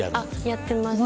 やってます